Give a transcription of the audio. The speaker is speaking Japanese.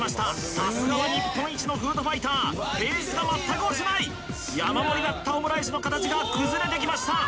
さすがは日本一のフードファイターペースが全く落ちない山盛りだったオムライスの形が崩れてきました